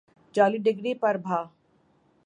جعلی ڈگری پر بھا